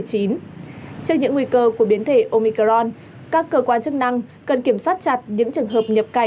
trên những nguy cơ của biến thể omicron các cơ quan chức năng cần kiểm soát chặt những trường hợp nhập cảnh